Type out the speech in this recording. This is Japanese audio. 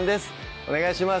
お願いします